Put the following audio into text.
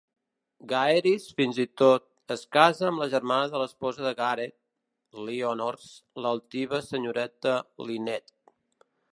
Gaheris, fins i tot, es casa amb la germana de l'esposa de Gareth, Lyonors, l'altiva senyoreta Lynette.